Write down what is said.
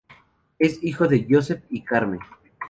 Es hijo de Josep y Carme.